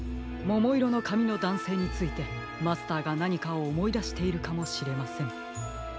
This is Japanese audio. ももいろのかみのだんせいについてマスターがなにかおもいだしているかもしれません。